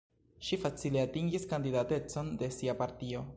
Ŝi facile atingis kandidatecon de sia partio.